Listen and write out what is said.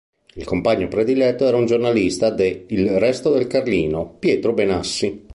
Il compagno prediletto era un giornalista de "Il Resto del Carlino", Pietro Benassi.